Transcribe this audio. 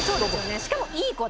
しかもいい子だし。